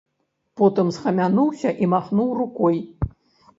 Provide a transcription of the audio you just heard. Потым схамянуўся і махнуў рукой.